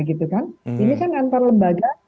ini kan antar lembaga